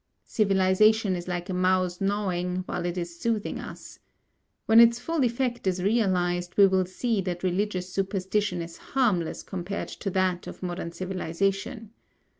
Civilization is like a mouse gnawing, while it is soothing us. When its full effect is realised, we will see that religious superstition is harmless compared to that of modern civilization.